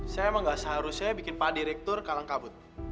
saya emang gak seharusnya bikin pak direktur kalang kabut